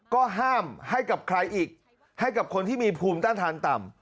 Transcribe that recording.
ก็ห้ามให้กับใครอีกให้กับคนที่มีภูมิต้านทานต่ำ